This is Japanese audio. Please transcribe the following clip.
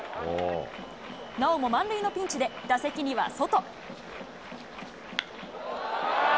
なおも満塁のピンチで、打席にはソト。